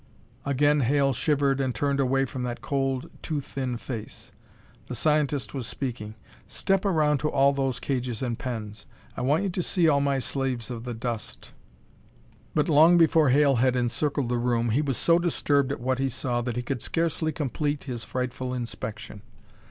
Again Hale shivered and turned away from that cold, too thin face. The scientist was speaking. "Step around to all those cages and pens. I want you to see all my slaves of the dust." But long before Hale had encircled the room, he was so disturbed at what he saw that he could scarcely complete his frightful inspection.